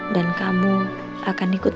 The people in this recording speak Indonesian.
dan kamu akan ikut